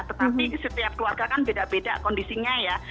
tetapi setiap keluarga kan beda beda kondisinya ya